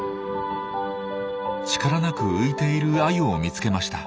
力なく浮いているアユを見つけました。